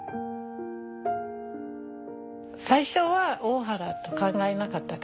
最初は大原と考えなかったから。